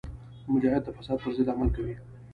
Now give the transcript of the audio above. مجاهد د فساد پر ضد عمل کوي.